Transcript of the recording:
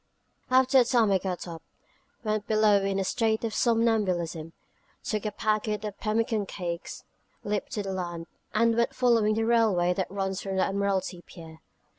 After a time I got up, went below in a state of somnambulism, took a packet of pemmican cakes, leapt to land, and went following the railway that runs from the Admiralty Pier.